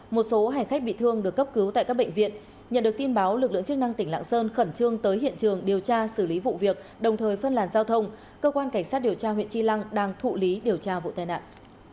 một số hành khách bị thương được cấp cứu tại các bệnh viện nhận được tin báo lực lượng chức năng tỉnh lạng sơn khẩn trương tới hiện trường điều tra xử lý vụ việc đồng thời phân làn giao thông cơ quan cảnh sát điều tra huyện tri lăng đang thụ lý điều tra vụ tai nạn